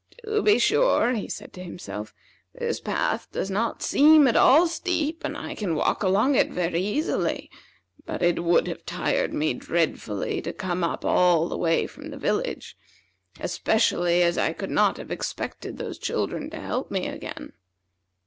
"To be sure," he said to himself, "this path does not seem at all steep, and I can walk along it very easily; but it would have tired me dreadfully to come up all the way from the village, especially as I could not have expected those children to help me again."